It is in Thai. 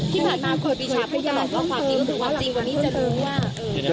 ที่ผ่านมาโคตรวิชาพุทธรรมต่อความจริงถึงความจริงวันนี้จะรู้ว่า